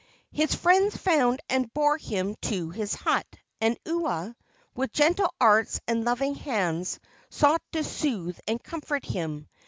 His friends found and bore him to his hut, and Ua, with gentle arts and loving hands, sought to soothe and comfort him.